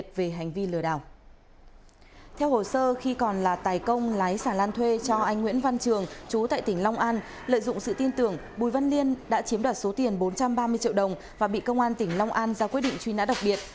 theo hồ sơ khi còn là tài công lái xà lan thuê cho anh nguyễn văn trường chú tại tỉnh long an lợi dụng sự tin tưởng bùi văn liên đã chiếm đoạt số tiền bốn trăm ba mươi triệu đồng và bị công an tỉnh long an ra quyết định truy nã đặc biệt